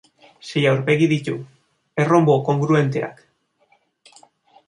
Sei aurpegi ditu: erronbo kongruenteak.